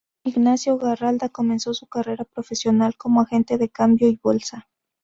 Ignacio Garralda comenzó su carrera profesional como agente de cambio y bolsa.